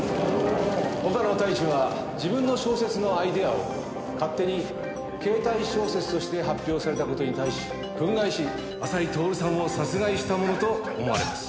岡野太一は自分の小説のアイデアを勝手にケータイ小説として発表された事に対し憤慨し浅井徹さんを殺害したものと思われます。